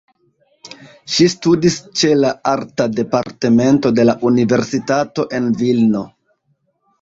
Ŝi studis ĉe la Arta Departemento de la Universitato en Vilno.